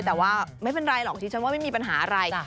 แต่ว่าไม่เป็นไรหรอกที่ฉันว่าไม่มีปัญหาอะไร